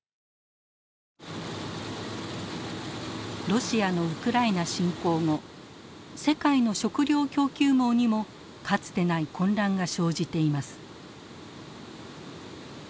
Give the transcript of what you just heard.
ロシアのウクライナ侵攻後世界の食料供給網にもかつてない混乱が生じています。